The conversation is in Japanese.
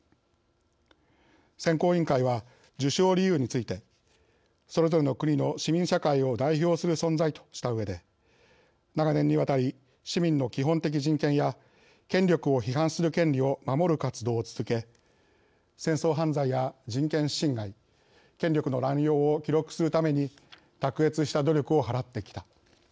選考委員会は授賞理由について「それぞれの国の市民社会を代表する存在」としたうえで「長年にわたり市民の基本的人権や権力を批判する権利を守る活動を続け戦争犯罪や人権侵害権力の乱用を記録するために卓越した努力をはらってきた。